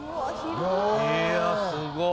いやすごっ！